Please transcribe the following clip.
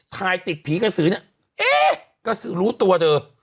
ถ่ายติดผีกระสือเนี่ยเอ๊ะกระสือรู้ตัวเธอ